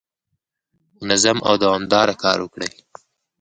منظم او دوامداره کار وکړئ.